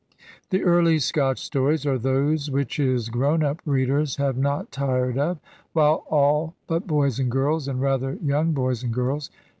The early Scotch stories are those which his grown up readers have not tired of; while all but boys and girls (and rather yoimg boys and girls!